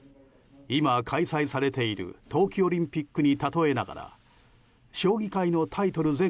今、開催されている冬季オリンピックに例えながら将棋界のタイトル